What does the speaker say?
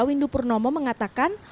windu purnomo mengatakan